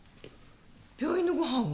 病院のご飯を？